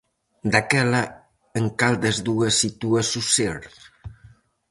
Daquela en cal das dúas sitúas o ser?